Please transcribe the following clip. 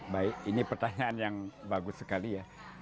baik ini pertanyaan yang bagus sekali ya